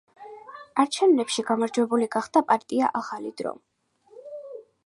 არჩევნებში გამარჯვებული გახდა პარტია ახალი დრო.